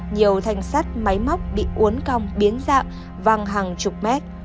nhiều thanh sắt máy móc bị uốn cong biến dạng văng hàng chục mét